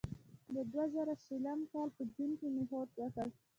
د دوه زره شلم کال په جون کې مې هوډ وکړ.